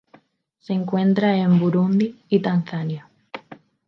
Se encuentra en Burundi y Tanzania.